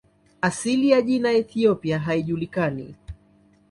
Asili ya jina "Ethiopia" haijulikani.